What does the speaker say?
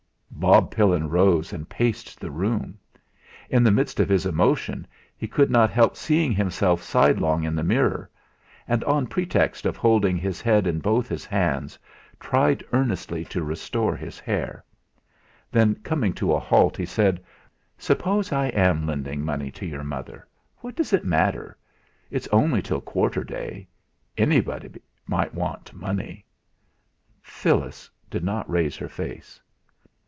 Bob Pillin rose and paced the room. In the midst of his emotion he could not help seeing himself sidelong in the mirror; and on pretext of holding his head in both his hands, tried earnestly to restore his hair. Then coming to a halt he said: "Suppose I am lending money to your mother, what does it matter? It's only till quarter day. Anybody might want money." Phyllis did not raise her face.